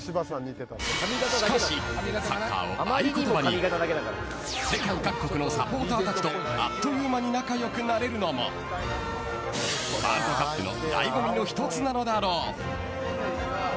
しかし、サッカーを合言葉に世界各国のサポーターたちとあっという間に仲良くなれるのもワールドカップの醍醐味の一つなのだろう。